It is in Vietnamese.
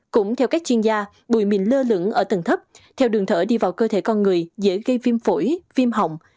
cũng theo các chuyên gia bụi mịn lơ lửng ở tầng thấp theo đường thở đi vào cơ thể con người dễ gây phim phổi phim hỏng